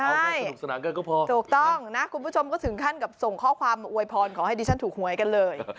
สนุกสนานกันก็พอถูกต้องนะคุณผู้ชมก็ถึงขั้นกับส่งข้อความมาอวยพรขอให้ดิฉันถูกหวยกันเลย